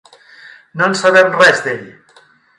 No en sabem res d'ell.